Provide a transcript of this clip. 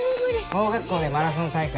盲学校でマラソン大会。